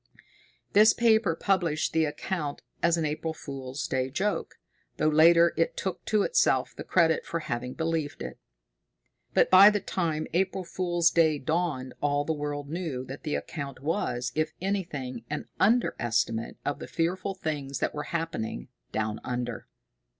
This paper published the account as an April Fool's Day joke, though later it took to itself the credit for having believed it. But by the time April Fool's Day dawned all the world knew that the account was, if anything, an under estimate of the fearful things that were happening "down under."